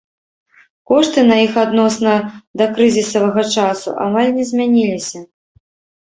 Кошты на іх адносна дакрызісавага часу амаль не змяніліся.